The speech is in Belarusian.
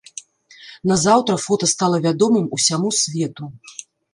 Назаўтра фота стала вядомым усяму свету.